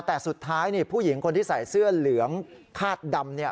แต่สุดท้ายผู้หญิงคนที่ใส่เสื้อเหลืองคาดดำ